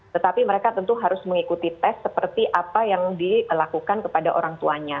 tetapi mereka tentu harus mengikuti tes seperti apa yang dilakukan kepada orang tuanya